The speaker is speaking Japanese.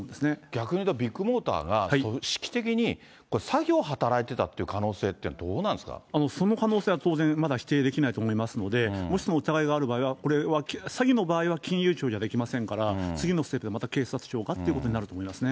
逆に言うと、ビッグモーターが組織的に詐欺を働いていたという可能性っていうその可能性は当然、まだ否定できないと思いますので、もしその疑いがある場合はこれは詐欺の場合は金融庁じゃできませんから、次のステップで、また警察庁かということになると思いますね。